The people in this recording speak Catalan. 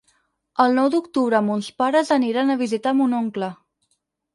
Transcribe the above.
El nou d'octubre mons pares aniran a visitar mon oncle.